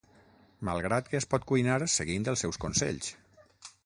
malgrat que es pot cuinar seguint els seus consells